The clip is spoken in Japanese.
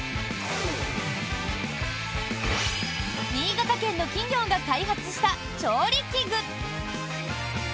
新潟県の企業が開発した調理器具！